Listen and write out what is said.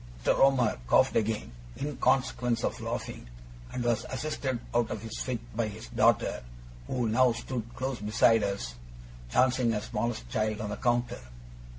Mr. Omer coughed again, in consequence of laughing, and was assisted out of his fit by his daughter, who now stood close beside us, dancing her smallest child on the counter.